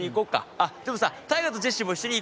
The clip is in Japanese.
あっでもさ大我とジェシーも一緒に行こうよ！